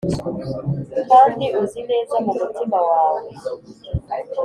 Kandi uzi neza mu mutima wawe